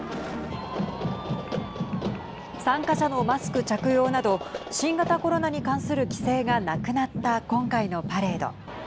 参加者のマスク着用など新型コロナに関する規制がなくなった今回のパレード。